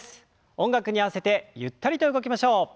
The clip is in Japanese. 音楽に合わせてゆったりと動きましょう。